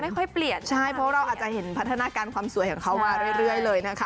ใช่เพราะเราก็จะเห็นพัฒนาการความสวยของเขามาเรื่อยเลยนะคะ